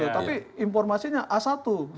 tapi informasinya a satu